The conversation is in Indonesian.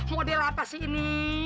model apa sih ini